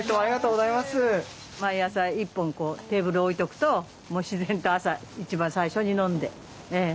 毎朝１本テーブル置いとくともう自然と朝一番最初に飲んでええ。